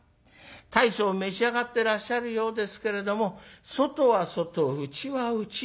大層召し上がってらっしゃるようですけれども外は外内は内。